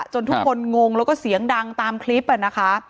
ทุกคนงงแล้วก็เสียงดังตามคลิปนะคะ